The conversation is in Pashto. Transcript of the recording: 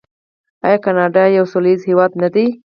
آیا کاناډا یو سوله ییز هیواد نه دی؟